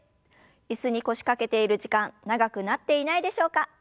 椅子に腰掛けている時間長くなっていないでしょうか？